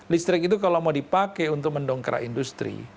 listrik itu kalau mau dipakai untuk mendongkrak industri